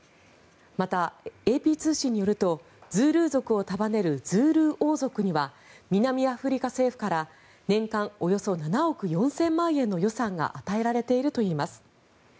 また、ＡＰ通信によるとズールー族を束ねるズールー王族には南アフリカ政府から年間およそ７億４０００万円の予算が与えられているといいます。